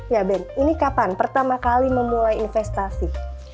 ya ben ini kapan pertama kali memulai investasi